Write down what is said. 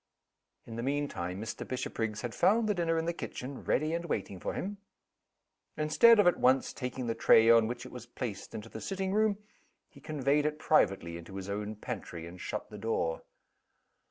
In the mean time Mr. Bishopriggs had found the dinner in the kitchen, ready, and waiting for him. Instead of at once taking the tray on which it was placed into the sitting room, he conveyed it privately into his own pantry, and shut the door.